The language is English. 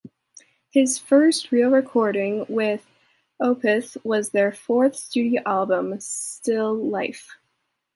His first real recording with Opeth was their fourth studio album, "Still Life".